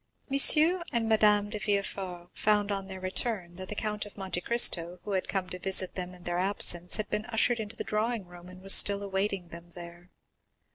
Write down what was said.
and Madame de Villefort found on their return that the Count of Monte Cristo, who had come to visit them in their absence, had been ushered into the drawing room, and was still awaiting them there.